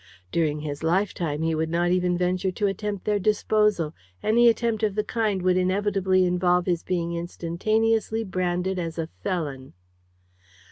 During his lifetime he would not even venture to attempt their disposal, any attempt of the kind would inevitably involve his being instantaneously branded as a felon.